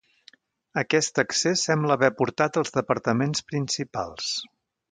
Aquest accés sembla haver portat als departaments principals.